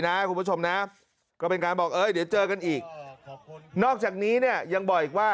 นะคุณผู้ชมนะก็เป็นการบอกเอ้ยเดี๋ยวเจอกันอีกนอกจากนี้เนี่ยยังบอกอีกว่า